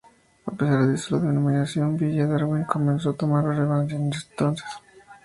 A pesar de eso la denominación "Villa Darwin" comenzó a tomar relevancia desde entonces.